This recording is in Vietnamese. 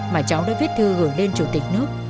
mà cháu đã viết thư gửi lên chủ tịch nước